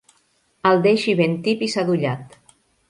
El deixi ben tip i sadollat.